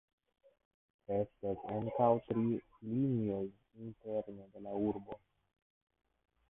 Estas ankaŭ tri linioj interne de la urbo.